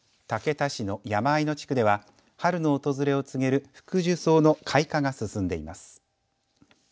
竹田市の山あいの地区では春の訪れを告げるフクジュソウの開花が進んでいます。